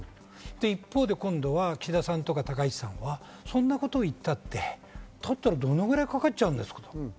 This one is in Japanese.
一方で岸田さんや高市さんはそんなことを言ったってどのくらいかかっちゃうんですか？